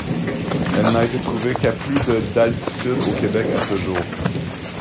Elle n’a été trouvée qu’à plus de d’altitude au Québec à ce jour.